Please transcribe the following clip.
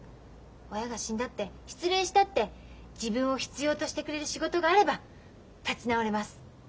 親が死んだって失恋したって自分を必要としてくれる仕事があれば立ち直れます。